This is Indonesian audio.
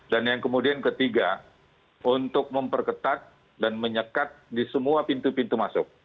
yang kemudian ketiga untuk memperketat dan menyekat di semua pintu pintu masuk